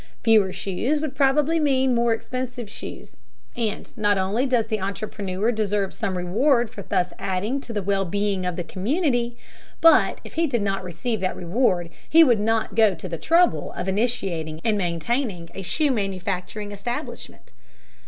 Fewer shoes would probably mean more expensive shoes. And not only does the entrepreneur deserve some reward for thus adding to the well being of the community, but if he did not receive that reward, he would not go to the trouble of initiating and maintaining a shoe manufacturing establishment.